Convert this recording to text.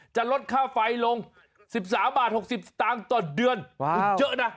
จะลดค่าไฟลง๑๓๖๐บาทต่างต่อเดือนเจอะนะ